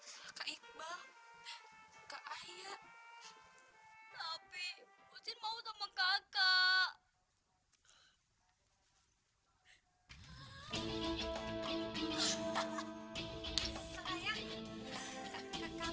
kak iqbal kak ayah tapi mau sama kakak